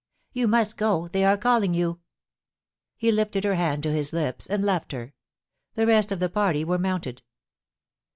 Yoa most go — they are calling you.* He lifted her hand to his lips, and left her. The rest of the party were moonted.